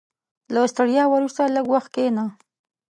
• له ستړیا وروسته، لږ وخت کښېنه.